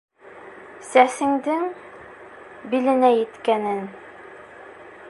Сәсеңдең... билеңә еткәнен...